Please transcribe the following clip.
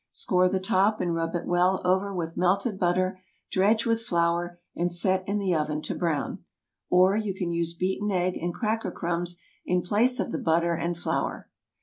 Score the top, and rub it well over with melted butter; dredge with flour and set in the oven to brown. Or, you can use beaten egg and cracker crumbs in place of the butter and flour.